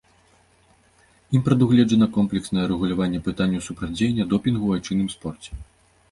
Ім прадугледжана комплекснае рэгуляванне пытанняў супрацьдзеяння допінгу ў айчынным спорце.